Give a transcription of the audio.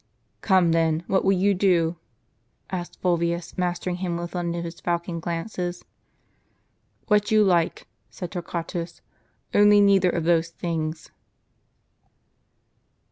"Come, then, what will you do?" asked Fulvius, master ing him with one of his falcon glances. "What you like," said Torquatus, "only neither of those things."